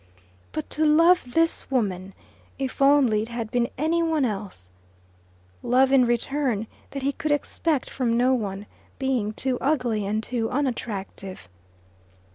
But to love this woman! If only it had been any one else! Love in return that he could expect from no one, being too ugly and too unattractive.